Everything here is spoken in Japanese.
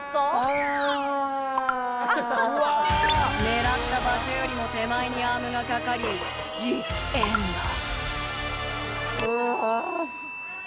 狙った場所よりも手前にアームがかかり、ジ・エンド。